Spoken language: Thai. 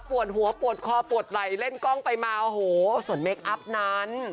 ปวดหัวปวดคอปวดไหลเล่นกล้องไปมาโอ้โหส่วนเมคอัพนั้น